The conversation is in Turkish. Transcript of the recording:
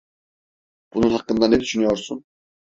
Bunun hakkında ne düşünüyorsun?